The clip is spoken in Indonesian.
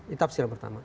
itu tafsiran pertama